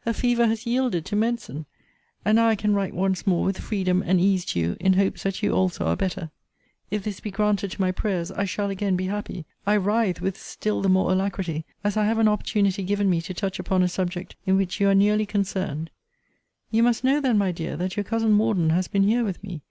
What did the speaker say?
Her fever has yielded to medicine! and now I can write once more with freedom and ease to you, in hopes that you also are better. If this be granted to my prayers, I shall again be happy, I write with still the more alacrity as I have an opportunity given me to touch upon a subject in which you are nearly concerned. You must know then, my dear, that your cousin Morden has been here with me.